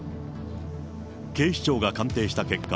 警視庁が鑑定した結果、